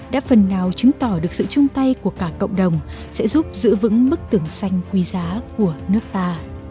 đã phần nào chứng tỏ được sự chung tay của cả cộng đồng sẽ giúp giữ vững mức tưởng sanh quý giá của nước ta